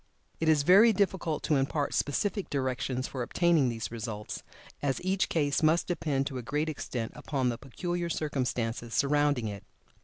It is very difficult to impart specific directions for obtaining these results, as each case must depend to a great extent upon the peculiar circumstances surrounding it.